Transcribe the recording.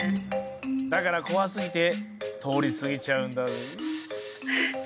だから怖すぎて通り過ぎちゃうんだぜ。